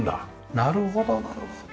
なるほどなるほど。